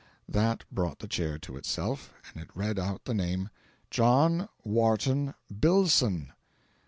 That brought the Chair to itself, and it read out the name: "John Wharton BILLSON."